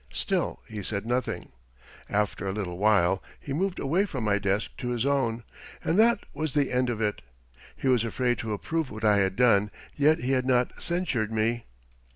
Still he said nothing. After a little he moved away from my desk to his own, and that was the end of it. He was afraid to approve what I had done, yet he had not censured me.